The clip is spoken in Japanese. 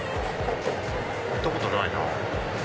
行ったことないな。